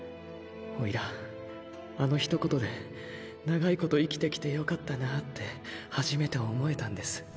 オイラあの一言で長い事生きてきてよかったなぁって初めて思えたんです。